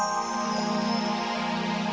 aku juga mendapat kemanusiaan